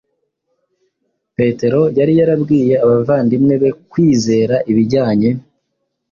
Petero yari yarabwiye abavandimwe be mu kwizera ibijyanye